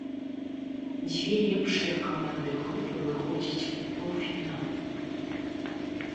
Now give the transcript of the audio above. Дзве лепшыя каманды групы выходзяць у паўфінал.